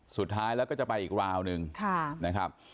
สุดท้ายแล้วก็จะไปอีกราวหนึ่งนะครับ